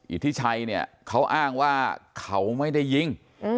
อิทธิชัยเนี่ยเขาอ้างว่าเขาไม่ได้ยิง